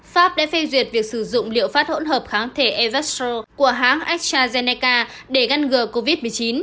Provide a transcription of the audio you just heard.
pháp đã phê duyệt việc sử dụng liệu pháp hỗn hợp kháng thể evestro của hãng astrazeneca để ngăn ngừa covid một mươi chín